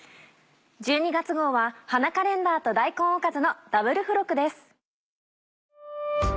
１２月号は「花カレンダー」と「大根おかず」のダブル付録です。